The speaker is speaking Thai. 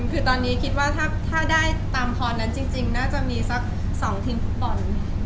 คือตอนนี้คิดว่าถ้าได้ตามพรนั้นจริงน่าจะมีสัก๒ทีมฟุตบอล